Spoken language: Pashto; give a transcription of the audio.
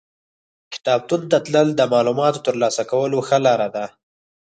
کتابتون ته تلل د معلوماتو ترلاسه کولو ښه لار ده.